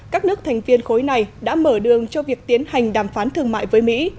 các nước thành viên khối này đã mở đường cho việc tiến hành đàm phán thương mại với mỹ